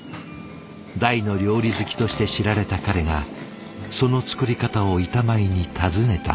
大の料理好きとして知られた彼がその作り方を板前に尋ねたほど。